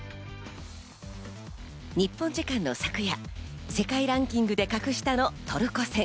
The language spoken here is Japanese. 日本時間の昨夜、世界ランキングで格下のトルコ戦。